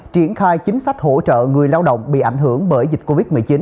triển khai chính sách hỗ trợ người lao động bị ảnh hưởng bởi dịch covid một mươi chín